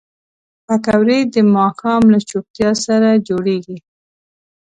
پکورې د ماښام له چوپتیا سره جوړېږي